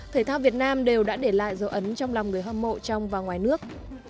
thể thao việt nam đều đã để lại dấu ấn trong lòng người hâm mộ trong và ngoài nước